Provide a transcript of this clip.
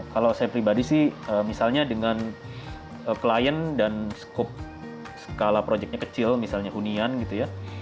kalau saya pribadi sih misalnya dengan klien dan skup skala proyeknya kecil misalnya hunian gitu ya